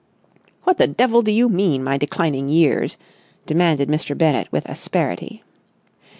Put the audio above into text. "What the devil do you mean, my declining years?" demanded Mr. Bennett with asperity.